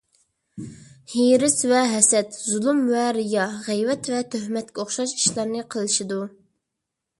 ھېرىس ۋە ھەسەت، زۇلۇم ۋە رىيا، غەيۋەت ۋە تۆھمەتكە ئوخشاش ئىشلارنى قىلىشىدۇ.